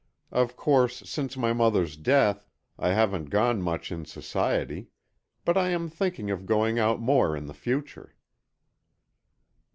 Of course, since my mother's death, I haven't gone much in society but I am thinking of going out more in the future."